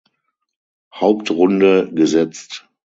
Hauptrunde gesetzt.